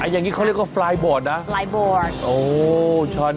อันอย่างนี้เขาเรียกว่าไฟล์บอร์ดนะ